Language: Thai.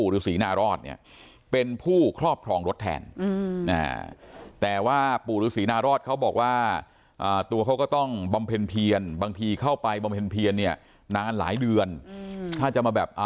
ฤษีนารอดเนี่ยเป็นผู้ครอบครองรถแทนแต่ว่าปู่ฤษีนารอดเขาบอกว่าตัวเขาก็ต้องบำเพ็ญเพียรบางทีเข้าไปบำเพ็ญเพียรเนี่ยนานหลายเดือนถ้าจะมาแบบ